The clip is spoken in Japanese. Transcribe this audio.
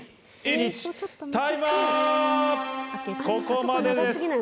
ここまでです。